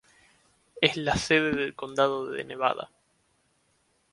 Es la sede del condado de Nevada.